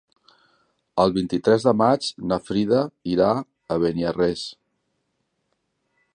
El vint-i-tres de maig na Frida irà a Beniarrés.